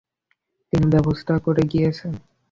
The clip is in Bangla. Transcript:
তিনি ব্যবস্থা করে গিয়েছেন।